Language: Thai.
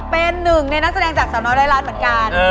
เป็นหนึ่งในนักแสดงจากสาวน้อยร้อยล้านเหมือนกัน